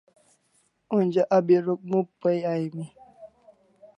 Onja abi Rukmu pai aimi